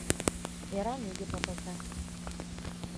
Мераҥ иге папалта.